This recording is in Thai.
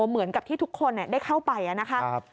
เหมือนกับที่ทุกคนเนี่ยได้เข้าไปอะนะคะ